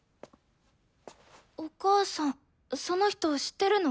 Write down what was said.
お母さんその人知ってるの？